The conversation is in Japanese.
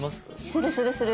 するするする。